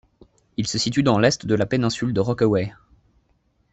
Il se situe dans l’est de la péninsule de Rockaway.